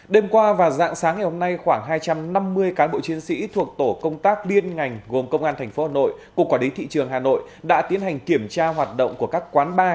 đêm qua và dạng sáng ngày hôm nay khoảng hai trăm năm mươi cán bộ chiến sĩ thuộc tổ công tác liên ngành gồm công an tp hà nội cục quản lý thị trường hà nội đã tiến hành kiểm tra hoạt động của các quán bar